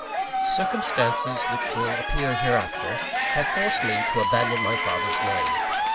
Circumstances which will appear hereafter, have forced me to abandon my father's name.